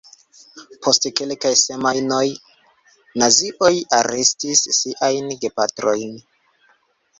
Post kelkaj semajnoj nazioj arestis ŝiajn gepatrojn.